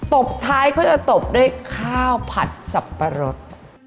ตบท้ายเขาจะตบด้วยข้าวผัดสับปะรด